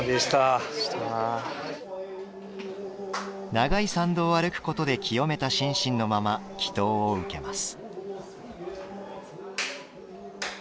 長い参道を歩くことで清めた心身のまま祈祷を受けます。